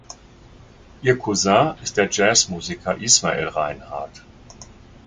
Ihr Cousin ist der Jazzmusiker Ismael Reinhardt.